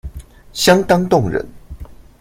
相當動人